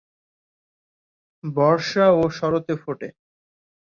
বর্ষা ও শরতে ফোটে।